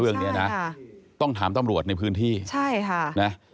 เรื่องนี้นะต้องถามตำรวจในพื้นที่ใช่ค่ะนะ